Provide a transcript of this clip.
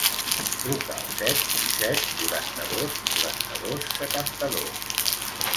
Truca al set, disset, quaranta-dos, quaranta-dos, setanta-dos.